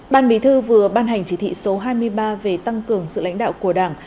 ban bí thư vừa ban hành chỉ thị số hai mươi ba về tăng cường sự lãnh đạo của đảng